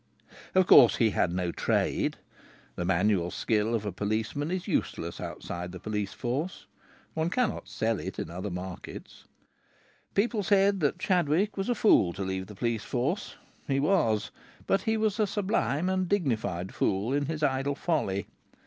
Of course, he had no trade. The manual skill of a policeman is useless outside the police force. One cannot sell it in other markets. People said that Chadwick was a fool to leave the police force. He was; but he was a sublime and dignified fool in his idle folly.